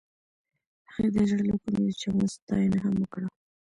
هغې د زړه له کومې د چمن ستاینه هم وکړه.